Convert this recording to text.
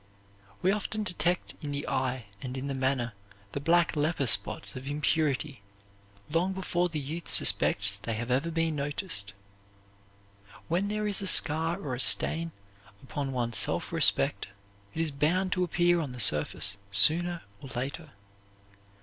We often detect in the eye and in the manner the black leper spots of impurity long before the youth suspects they have ever been noticed. When there is a scar or a stain upon one's self respect it is bound to appear on the surface sooner or later.